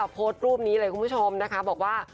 โพสต์รูปนี้เลยคุณผู้ชมนะคะ